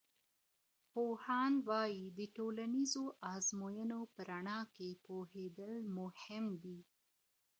پوهاند وایي، د ټولنیزو آزموینو په رڼا کې پوهیدل مهم دي.